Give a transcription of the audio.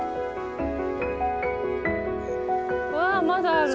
わあまだあるの？